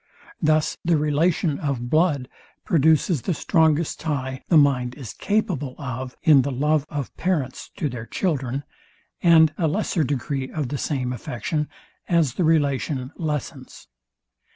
Thus the relation of blood produces the strongest tie the mind is capable of in the love of parents to their children, and a lesser degree of the same affection, as the relation lessens.